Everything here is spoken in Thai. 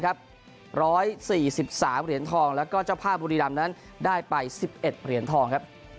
ครับ๑๔๓เหรียญทองแล้วก็เจ้าพ่าบุรีรัมณ์นั้นได้ไป๑๑เหรียญทอง